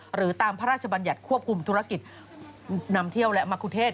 หรือตามพระราชบัญญัติควบคุมธุรกิจนำเที่ยวและมะคุเทศ